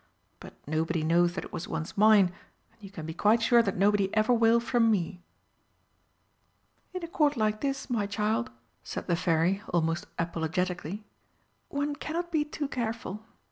But nobody knows that it was once mine, and you can be quite sure that nobody ever will, from me." "In a Court like this, my child," said the Fairy, almost apologetically, "one cannot be too careful.